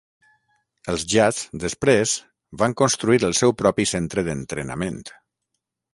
Els Jazz després van construir el seu propi centre d'entrenament.